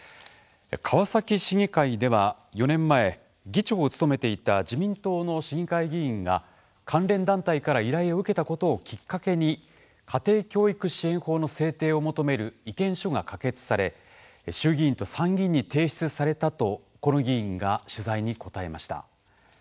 川崎市議会では、４年前議長を務めていた自民党の市議会議員が関連団体から依頼を受けたことをきっかけに、家庭教育支援法の制定を求める意見書が可決され、衆議院と参議院に提出されたとこの議員が取材に答えました。